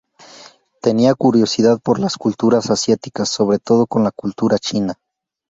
Tenía curiosidad por las culturas asiáticas sobre todo con la cultura china.